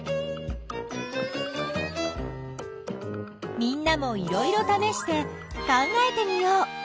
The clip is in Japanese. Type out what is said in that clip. みんなもいろいろためして考えてみよう。